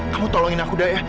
kamu tolongin aku udah ya